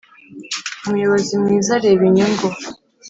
Umuyobozi mwiza areba inyungu